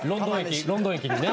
ロンドン駅でね。